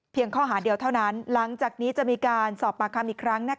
ข้อหาเดียวเท่านั้นหลังจากนี้จะมีการสอบปากคำอีกครั้ง